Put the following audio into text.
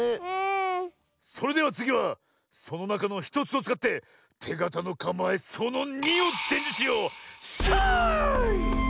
それではつぎはそのなかの１つをつかっててがたのかまえその２をでんじゅしよう。さい！